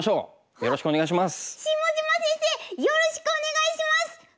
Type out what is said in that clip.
よろしくお願いします！